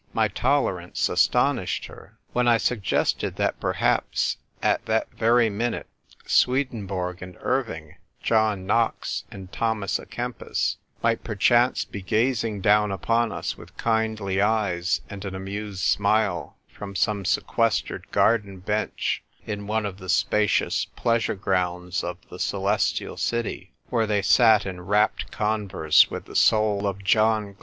My tolerance astonished her. When 1 suggested that perhaps at that very minute Swedenborg and Irving, John Knox and Thomas a Kempis, might perchance be gazing down upon us with kindly eyes and an amused smile from some sequestered garden bench in one of the spacious pleasure grounds of the Celestial City, where they sat in rapt converse with the soul of John l62 THE TYPE WRITER GIRL.